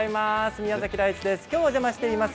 宮崎大地です。